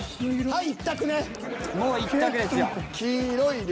はい。